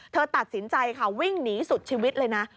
ตัดสินใจค่ะวิ่งหนีสุดชีวิตเลยนะ